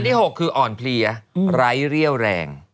ที่๖คืออ่อนเพลียไร้เรี่ยวแรง